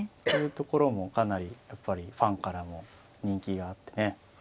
そういうところもかなりやっぱりファンからも人気があってね。